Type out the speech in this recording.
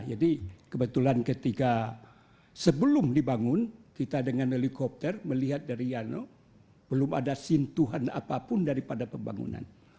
jadi kebetulan ketika sebelum dibangun kita dengan helikopter melihat dari yano belum ada sentuhan apapun daripada pembangunan